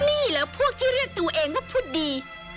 นี่เหรอพวกที่เรียกตัวเองว่าพูดดี